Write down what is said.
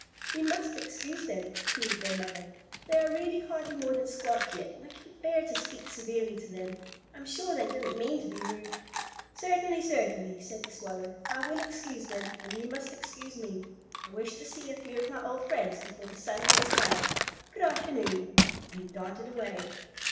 "You must excuse them," cooed their mother. "They are really hardly more than Squabs yet, and I can't bear to speak severely to them. I'm sure they didn't mean to be rude." "Certainly, certainly," said the Swallow. "I will excuse them and you must excuse me. I wish to see a few of my old friends before the sun goes down. Good afternoon!" And he darted away.